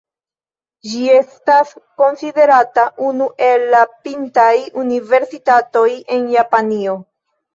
Ĝi estas konsiderata unu el la pintaj universitatoj en Japanio.